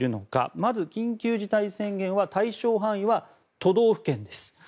まず、緊急事態宣言は対象範囲は都道府県です。